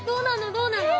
どうなんの？